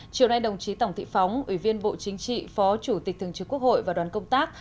chiều nay đồng chí tổng thị phóng ủy viên bộ chính trị phó chủ tịch thường trực quốc hội và đoàn công tác